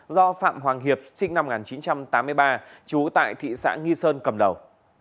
do phạm hoàng hiệp sinh năm một nghìn chín trăm tám mươi ba trú tại thị xã nghi sơn cầm đầu